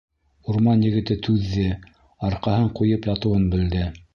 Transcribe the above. Урман егете түҙҙе, арҡаһын ҡуйып ятыуын белде.